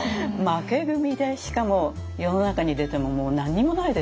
負け組でしかも世の中に出てももう何にもないですよね。